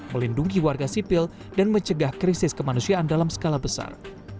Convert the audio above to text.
melindungi warga sipil dan mencegah krisis kemanusiaan dalam skala besar